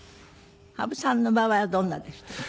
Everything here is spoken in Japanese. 羽生さんの場合はどんなでしたか？